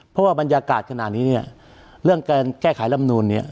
เพราะว่าบรรยากาศขณะนี้เนี่ยเรื่องการแก้ไขลำนูนเนี่ย